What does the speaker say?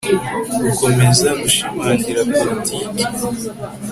gukomeza gushimangira politike